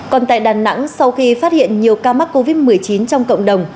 còn tại đà nẵng sau khi phát hiện nhiều ca mắc covid một mươi chín trong cộng đồng